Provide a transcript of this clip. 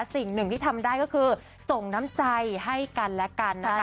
สิ่งหนึ่งที่ทำได้ก็คือส่งน้ำใจให้กันและกันนะคะ